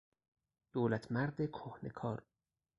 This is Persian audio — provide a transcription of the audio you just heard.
دولتمرد کهنه کار